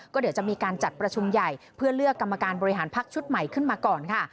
ก็เดี๋ยวจะมีการจัดประชุมใหญ่เพื่อเลือกกรรมการบริหารพักชุดใหม่ขึ้นมาก่อนค่ะ